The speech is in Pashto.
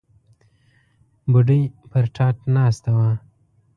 بوډۍ پر تاټ ناسته وه.